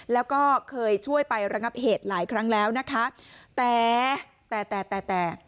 แล้วก็เคยช่วยไประงับเหตุหลายครั้งแล้วนะคะแต่แต่แต่แต่แต่